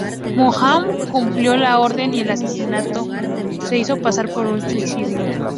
Muhammad cumplió la orden y el asesinato se hizo pasar por un suicidio.